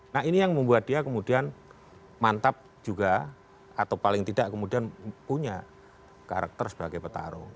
nah ini yang membuat dia kemudian mantap juga atau paling tidak kemudian punya karakter sebagai petarung